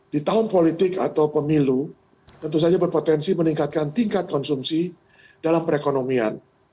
di tahun politik atau pemilu tentu saja berpotensi meningkatkan tingkat konsumsi dalam perekonomian